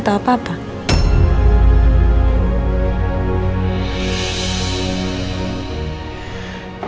ternyata dia lagi nangis